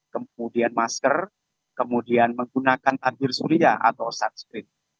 kemudian masker kemudian menggunakan takdir surya atau subscreen